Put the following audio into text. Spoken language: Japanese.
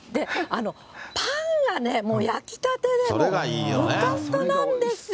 パンがね、もう焼きたてで、もうふかふかなんですよ。